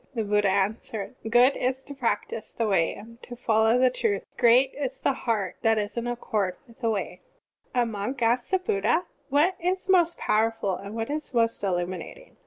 The Buddha an swered: "Good is to practise the Way and to follow the truth. Great is the heart that is in accord with the Way." (15) A monk asked the Buddha: "What is most powerful, and what is most illuminat ing?"